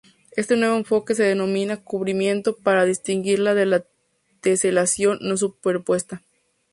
Este nuevo enfoque se denomina 'cubrimiento' para distinguirla de la 'teselación' no superpuesta.